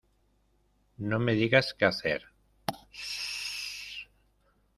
No me digas qué hacer. ¡ chis!